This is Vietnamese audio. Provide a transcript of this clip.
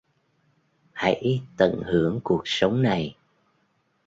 hãy tận hưởng cuộc sống này